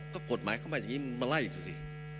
ก็กฎหมายเขามาอย่างงี้มาไล่อยู่สิ